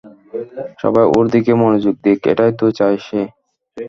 সবাই ওর দিকে মনোযোগ দিক - এটাই তো চায় সে।